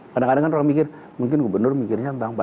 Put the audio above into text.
kadang kadang orang mikir mungkin gubernur mikir ini tidak stabil ya